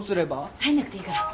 入んなくていいから。